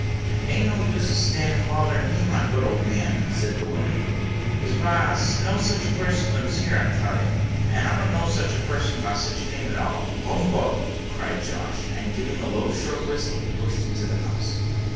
"It ain't of no use a standing bothering here, my good man," said the woman, "'cause vy—no sich a person lives here, I tell you—and I don't know sich a person by sich a name at all." "Humbug!" cried Josh and, giving a low, short whistle, he pushed into the house.